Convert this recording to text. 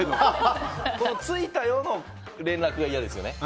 着いたよの連絡が嫌ですよね。